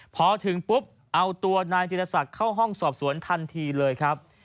พอถึงปุ๊บเอาตัวนายจิตรศักดิ์เข้าห้องสอบสวนทันทีเลยครับ